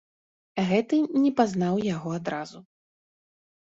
Гэты не пазнаў яго адразу.